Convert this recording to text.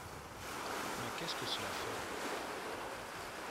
Mais qu’est-ce que cela fait !